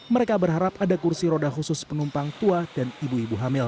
mereka berharap ada kursi roda khusus penumpang tua dan ibu ibu hamil